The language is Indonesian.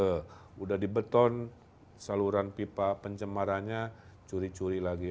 sudah dibeton saluran pipa pencemarannya curi curi lagi